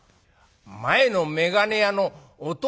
「前の眼鏡屋の弟